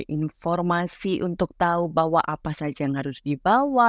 informasi untuk tahu bahwa apa saja yang harus dibawa